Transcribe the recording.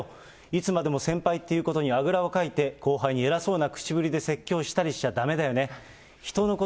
いつまでも先輩っていうことにあぐらをかいて、後輩に偉そうな口ぶりで説教したりしちゃだめだよね。